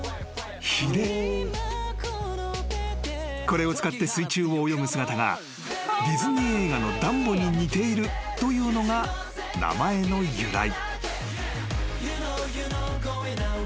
［これを使って水中を泳ぐ姿がディズニー映画のダンボに似ているというのが名前の由来］